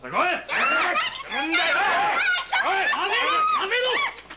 やめろ！